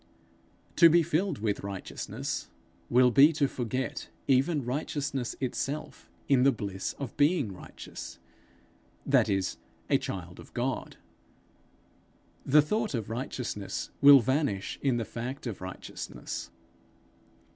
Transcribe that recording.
To be filled with righteousness, will be to forget even righteousness itself in the bliss of being righteous, that is, a child of God. The thought of righteousness will vanish in the fact of righteousness.